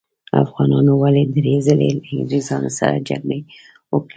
افغانانو ولې درې ځلې له انګریزانو سره جګړې وکړې؟